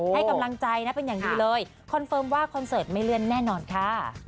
ให้กำลังใจนะเป็นอย่างดีเลยคอนเฟิร์มว่าคอนเสิร์ตไม่เลื่อนแน่นอนค่ะ